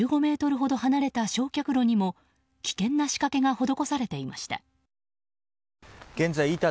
更に納骨堂から１５ｍほど離れた焼却炉にも危険な仕掛けが施されていました。